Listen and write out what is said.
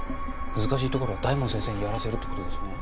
難しいところは大門先生にやらせるって事ですよね。